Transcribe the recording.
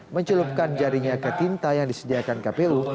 mencelupkan jarinya ketinta yang disediakan kpu